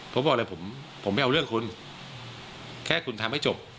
ผมบอกเลยผมไม่เอาเรื่องคุณแค่คุณทำให้จบ